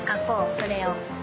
それを。